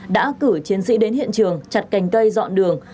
đã cử chiến sĩ đến hiện trường chặt cành cây dọn đường